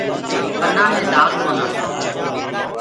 پنآ مي دآگ ڪونآ۔